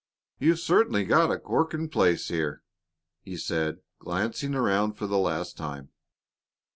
"You've certainly got a corking place here," he said, glancing around for the last time.